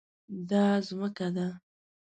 دا ځمکه ده